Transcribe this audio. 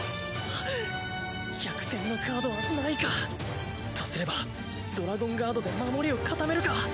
逆転のカードはないか。とすればドラゴンガードで守りを固めるか。